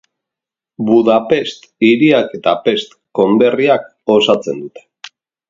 Budapest hiriak eta Pest konderriak osatzen dute.